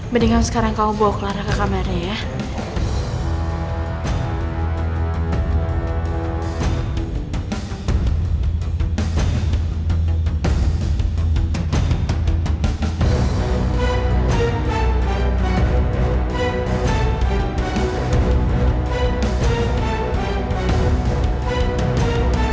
mendingan sekarang kamu bawa clara ke kameranya ya